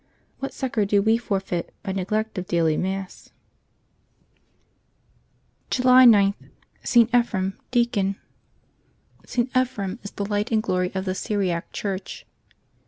What succor do we forfeit by neglect of daily Mass ! July 9. — ST. EPHREM, Deacon. [t. Ephrem is the light and glory of the Syriac Church.